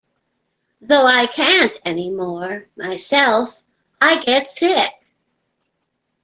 Though I can't anymore myself, I get sick!